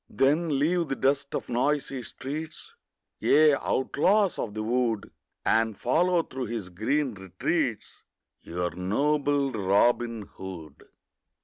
Then leave the dust of noisy streets, Ye outlaws of the wood, And follow through his green retreats Your noble Robin Hood.